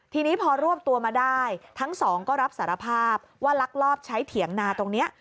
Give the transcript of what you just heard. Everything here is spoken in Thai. ทีนี้พอรวบตัวมาได้ทั้งสองก็รับสารภาพว่าลักลอบใช้เถียงนาตรงนี้